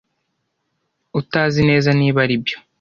utazi neza niba aribyo